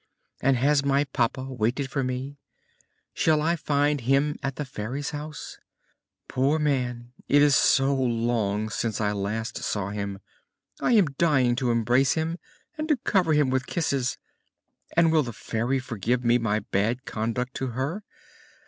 And has my papa waited for me? Shall I find him at the Fairy's house? Poor man, it is so long since I last saw him: I am dying to embrace him and to cover him with kisses! And will the Fairy forgive me my bad conduct to her?